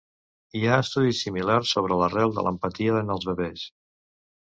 Hi ha estudis similars sobre l'arrel de l'empatia en els bebès.